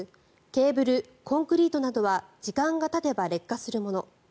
ケーブル、コンクリートなどは時間がたてば劣化するもの